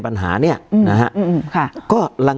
การแสดงความคิดเห็น